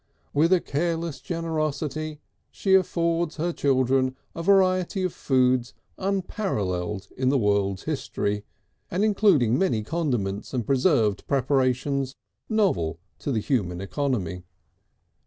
With a careless generosity she affords her children a variety of foods unparalleled in the world's history, and including many condiments and preserved preparations novel to the human economy.